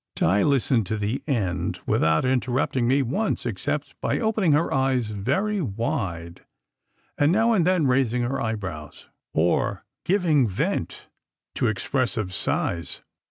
Di listened to the end, without interrupting me once except by opening her eyes very wide, and now and then raising her eyebrows, or giving vent to expressive sighs.